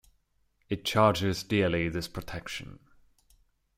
It charges dearly this protection.